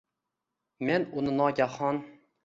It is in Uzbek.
Men uni nogahon